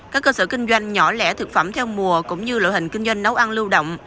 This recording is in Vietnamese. các cơ sở kinh doanh nhỏ lẻ thực phẩm theo mùa cũng như lội hình kinh doanh nấu ăn lưu động